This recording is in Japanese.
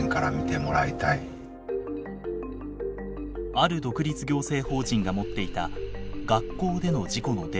ある独立行政法人が持っていた学校での事故のデータ。